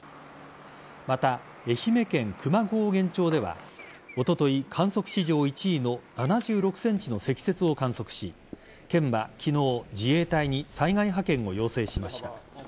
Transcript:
また、愛媛県久万高原町ではおととい、観測史上１位の７６ｃｍの積雪を観測し県は昨日自衛隊に災害派遣を要請しました。